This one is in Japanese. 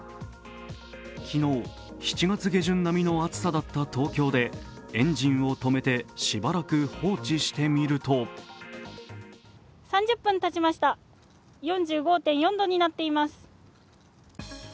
昨日、７月下旬並みの暑さだった東京でエンジンを止めて、しばらく放置してみると３０分たちました４５．４度になっています。